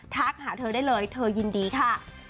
หาเธอได้เลยเธอยินดีค่ะ